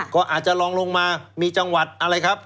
ก็อาจจะลองลงมามีจังหวัดอะไรครับ